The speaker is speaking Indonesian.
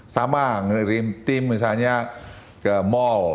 sama ngirim tim misalnya ke mall